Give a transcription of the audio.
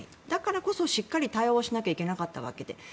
だからこそしっかり対話をしないといけなかったわけで。